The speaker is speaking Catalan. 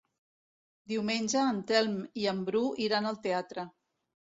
Diumenge en Telm i en Bru iran al teatre.